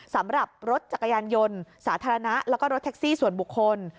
สำหรับรถจักรยานยนต์สาธารณะแล้วก็รถแท็กซี่ส่วนบุคคล